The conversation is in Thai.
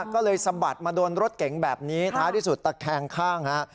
ก็เลยสะบัดมาโดนรถเก๋งแบบนี้ท้ายที่สุดตะแคงข้างฮะ